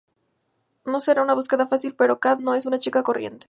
No será una búsqueda fácil, pero Cat no es una chica corriente.